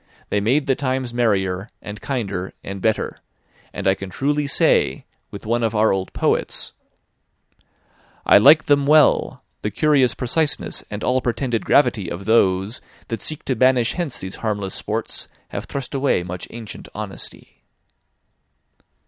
They made the times merrier, and kinder, and better; and I can truly say, with one of our old poets: "'I like them well the curious preciseness And all pretended gravity of those That seek to banish hence these harmless sports, Have thrust away much ancient honesty.'